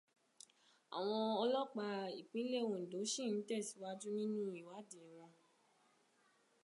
Àwọn ọlọ́pàá ìpínlẹ̀ Òǹdó ṣì ń tẹ̀síwájú nínú ìwádìí wọn.